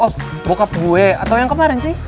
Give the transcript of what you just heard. of bokap gue atau yang kemarin sih